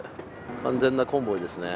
完全なコンボイですね。